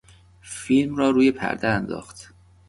فیلم را روی پرده انداخت.